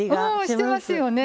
ねえしてますよね